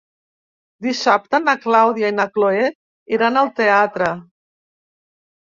Dissabte na Clàudia i na Cloè iran al teatre.